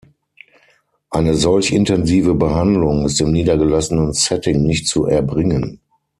Eine solch intensive Behandlung ist im niedergelassenen Setting nicht zu erbringen.